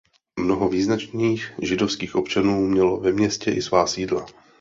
Mnoho význačných židovských občanů mělo ve městě i svá sídla.